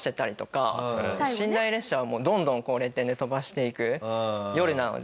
寝台列車はもうどんどんレ点で飛ばしていく夜なので。